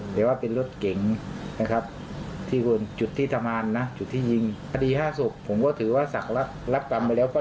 หรือว่าเป็นรถเก่งนะครับที่กุศจุดที่ถามนะก